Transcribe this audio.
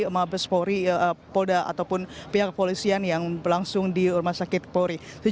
maupun pori polda ataupun pihak kepolisian yang berlangsung di rumah sakit pori